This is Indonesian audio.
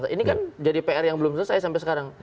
ini kan jadi pr yang belum selesai sampai sekarang